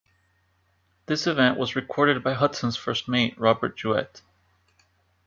This event was recorded by Hudson's first mate, Robert Juet.